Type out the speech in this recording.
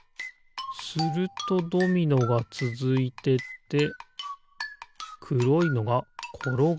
するとドミノがつづいてってくろいのがころがるのかな。